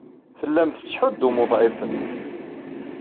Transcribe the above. Tellam tettḥuddum uḍɛifen.